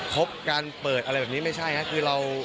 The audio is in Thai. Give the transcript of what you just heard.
พบการเปิดอะไรแบบนี้ไม่ใช่ครับคือเรา